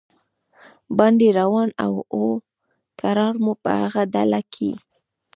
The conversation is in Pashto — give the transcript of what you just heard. باندې روان و او کرار مو په هغه ډله کې.